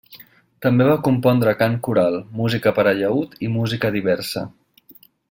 També va compondre cant coral, música per a llaüt i música diversa.